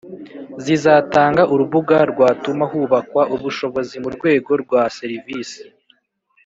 zizatanga urubuga rwatuma hubakwa ubushobozi mu rwego rwa za serivisi.